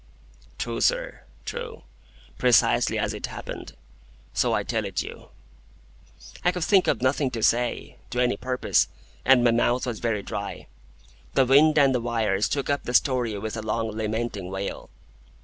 "True, sir. True. Precisely as it happened, so I tell it you." I could think of nothing to say, to any purpose, and my mouth was very dry. The wind and the wires took up the story with a long lamenting wail.